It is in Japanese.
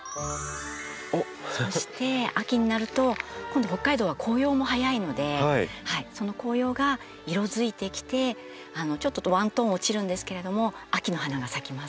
そして秋になると今度北海道は紅葉も早いのでその紅葉が色づいてきてちょっとワントーン落ちるんですけれども秋の花が咲きます。